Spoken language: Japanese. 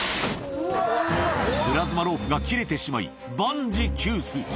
プラズマロープが切れてしまい、万事休す。